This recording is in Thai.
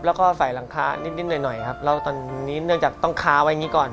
แล้วก็ใส่หลังคานิดหน่อยครับเล่าตอนนี้เนื่องจากต้องค้าไว้อย่างนี้ก่อน